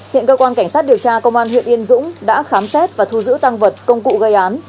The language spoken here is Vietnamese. hiện cơ quan cảnh sát điều tra công an huyện yên dũng đã khám xét và thu giữ tăng vật công cụ gây án